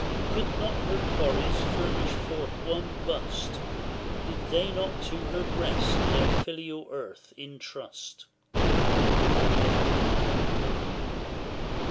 Could not her quarries furnish forth one bust? Did they not to her breast their filial earth entrust?